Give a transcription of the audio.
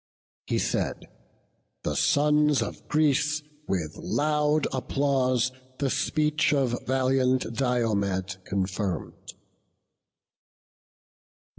He said; the sons of Greece, with loud applause, The speech of valiant Diomed confirm'd.